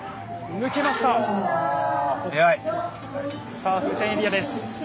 さあ風船エリアです。